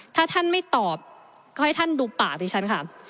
ถ้าท่านไม่ตอบก็ให้ท่านดูปากดิฉันค่ะ